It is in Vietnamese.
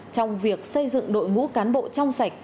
trong việc xây dựng đội ngũ cán bộ trong sạch